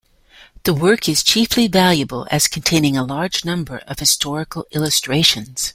The work is chiefly valuable as containing a large number of historical illustrations.